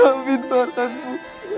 amin farhan bu